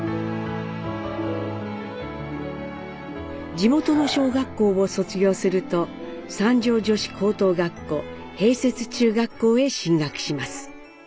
地元の小学校を卒業すると三条女子高等学校併設中学校へ進学します。